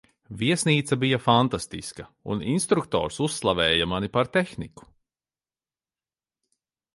Viesnīca bija fantastiska, un instruktors uzslavēja mani par tehniku.